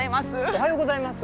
おはようございます。